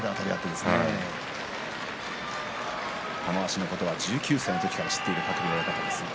玉鷲のことは１９歳の時から知っている鶴竜親方です。